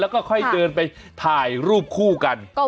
แล้วก็ค่อยเดินไปถ่ายรูปคู่กัน